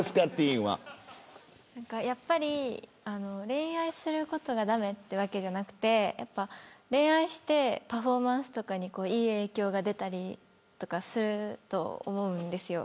恋愛することが駄目というわけじゃなくて恋愛してパフォーマンスとかにいい影響が出たりすると思うんですよ。